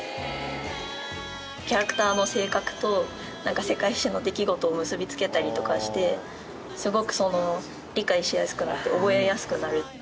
キャラクターの性格となんか世界史の出来事を結びつけたりとかしてすごく理解しやすくなって覚えやすくなる。